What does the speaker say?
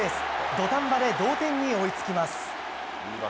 土壇場で同点に追いつきます。